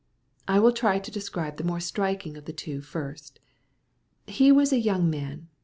I will try to describe the more striking of the two first. He was a young man.